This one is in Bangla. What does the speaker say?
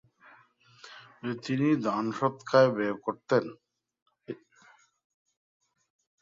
তিনি দানসদকায় ব্যয় করতেন।